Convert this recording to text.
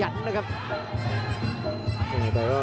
อันนี้พยายามจะเน้นข้างซ้ายนะครับ